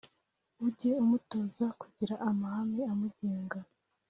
ujye umutoza kugira amahame amugenga